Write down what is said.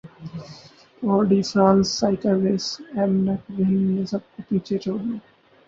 Tour de France cycle race اینمک وین نے سب کو پچھاڑدیا